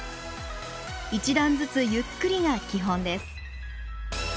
１段ずつゆっくりが基本です。